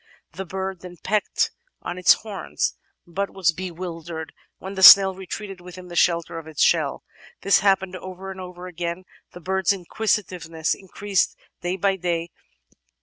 The bird then pecked at its horns, but was bewildered when the snail retreated within the shelter of its shell. This happened over and over again, the bird's inquisitiveness increasing day by day.